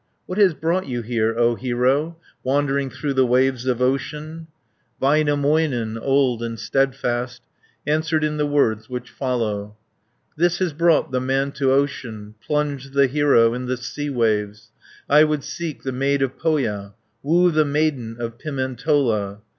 "What has brought you here, O hero, Wandering through the waves of ocean?" Väinämöinen, old and steadfast, Answered in the words which follow: "This has brought the man to ocean, Plunged the hero in the sea waves. 60 I would seek the maid of Pohja, Woo the maiden of Pimentola.